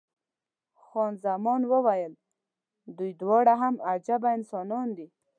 خان زمان وویل، دوی دواړه هم عجبه انسانان دي.